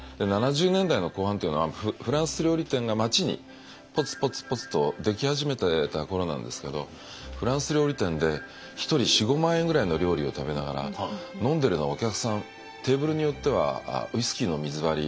７０年代の後半っていうのはフランス料理店が街にポツポツポツと出来始めてた頃なんですけどフランス料理店で１人４５万円ぐらいの料理を食べながら飲んでるのはお客さんテーブルによってはウイスキーの水割り